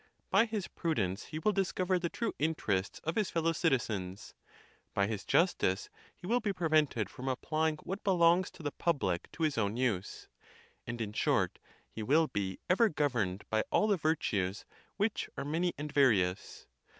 By his prudence he will discover the true in terests of his fellow citizens; by his justice he will be pre vented from applying what belongs to the public to his own use; and, in short, he will be ever governed by all the 190 THE TUSCULAN DISPUTATIONS. virtues, which are many and various.